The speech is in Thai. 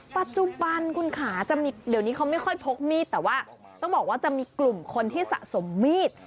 ปัจจุบันคุณขาจะมีเดี๋ยวนี้เขาไม่ค่อยพกมีดแต่ว่าต้องบอกว่าจะมีกลุ่มคนที่สะสมมีด